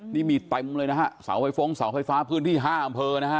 นี่มีเต็มเลยนะฮะเสาไฟฟ้องเสาไฟฟ้าพื้นที่๕อำเภอนะฮะ